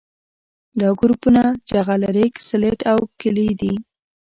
دا ګروپونه جغل ریګ سلټ او کلې دي